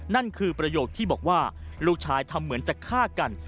นั่นคือประโยคที่บอกว่าลูกชายทำเหมือนจะฆ่ากัน